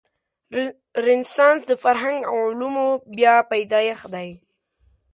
رنسانس د فرهنګ او علومو بیا پیدایښت دی.